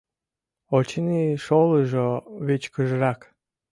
Очыни, шолыжо вичкыжрак.